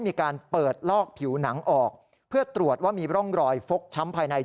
มีการเปิดลอกผิวหนังออกเพื่อตรวจว่ามีร่องรอยฟกช้ำภายใน